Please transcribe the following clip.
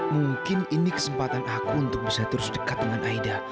mungkin ini kesempatan aku untuk bisa terus dekat dengan aida